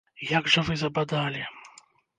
Як жа вы забадалі!